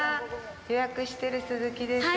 予約してる鈴木です。